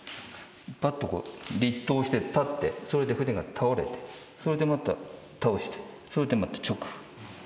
ぱっとこう、りっとうして、立って、それで筆が倒れて、それでまた倒して、それでもう直。